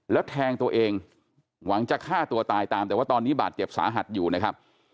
แล้วแทงตัวเองหวังจะฆ่าตัวตายตามแต่ว่าตอนนี้บาดเจ็บสาหัสอยู่นะครับ